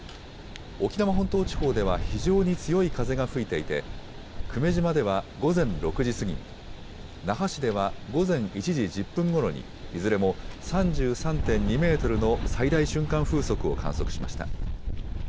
沖縄本島地方では非常に強い風が吹いていて、久米島では午前６時過ぎに、那覇市では午前１時１０分ごろに、いずれも３３．２メートルの最大瞬間風速を観測しました。